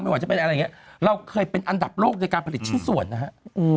ว่าจะเป็นอะไรอย่างนี้เราเคยเป็นอันดับโลกในการผลิตชิ้นส่วนนะฮะ